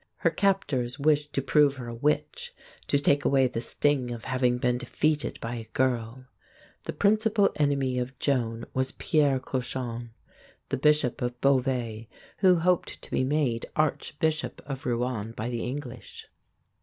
Her captors wished to prove her a witch to take away the sting of having been defeated by a girl. The principal enemy of Joan was Pierre Cauchon (co shong), the Bishop of Beauvais (bo vay´), who hoped to be made Archbishop of Rouen by the English.